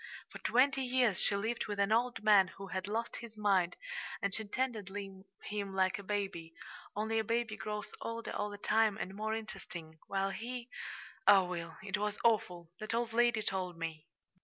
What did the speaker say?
For twenty years she lived with an old man who had lost his mind, and she tended him like a baby only a baby grows older all the time and more interesting, while he oh, Will, it was awful! That old lady told me."